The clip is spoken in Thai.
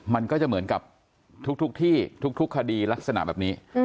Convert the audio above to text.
มันก็จะเหมือนกับทุกที่ทุกคดีลักษณะแบบนี้